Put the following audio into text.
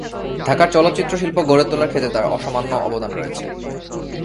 ঢাকার চলচ্চিত্র শিল্প গড়ে তোলার ক্ষেত্রে তার অসামান্য অবদান রয়েছে।